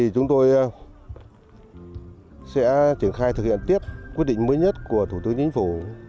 chúng tôi sẽ triển khai thực hiện tiếp quyết định mới nhất của thủ tướng chính phủ